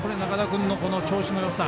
これ、仲田君の調子のよさ